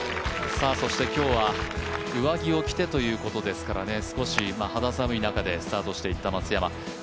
今日は上着を着てということですからね、少し肌寒い中でスタートしていった松山。